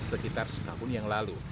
sekitar setahun yang lalu